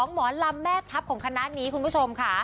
หมอลำแม่ทัพของคณะนี้คุณผู้ชมค่ะ